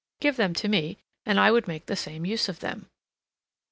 Give them to me and I would make the same use of them.